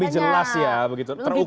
lebih jelas ya begitu terukur juga